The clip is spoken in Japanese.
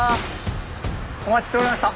お待ちしておりました。